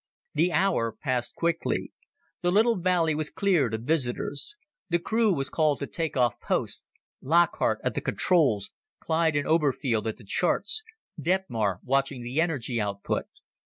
The hour passed quickly. The little valley was cleared of visitors. The crew was called to take off posts Lockhart at the controls, Clyde and Oberfield at the charts, Detmar watching the energy output.